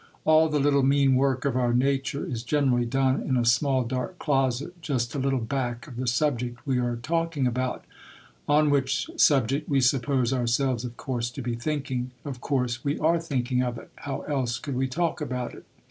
All the little, mean work of our nature is generally done in a small dark closet just a little back of the subject we are talking about, on which subject we suppose ourselves of course to be thinking;—of course we are thinking of it; how else could we talk about it?